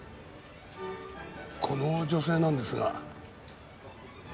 この女性なんですが。